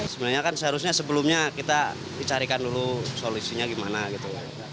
sebenarnya kan seharusnya sebelumnya kita dicarikan dulu solusinya gimana gitu